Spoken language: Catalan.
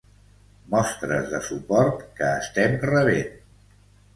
Mostres de suport que estem rebent.